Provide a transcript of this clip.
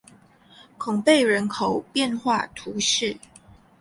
孔贝人口变化图示